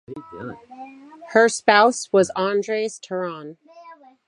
Her spouse was Andres Tarand.